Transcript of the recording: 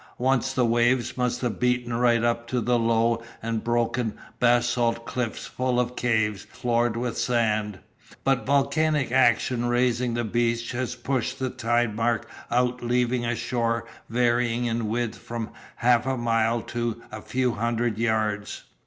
Once the waves must have beaten right up to the low and broken basalt cliffs full of caves floored with sand, but volcanic action raising the beach has pushed the tide mark out leaving a shore varying in width from half a mile to a few hundred yards.